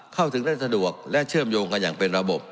เข้าถึงได้สะดวกและเชื่อมโยงกันอย่างเป็นระบบ